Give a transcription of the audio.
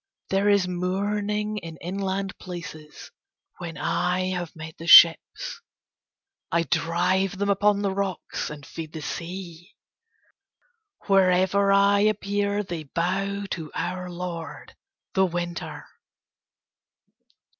There is mourning in inland places when I have met the ships. I drive them upon the rocks and feed the sea. Wherever I appear they bow to our lord the Winter."